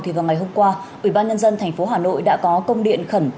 thì vào ngày hôm qua ủy ban nhân dân thành phố hà nội đã có công điện khẩn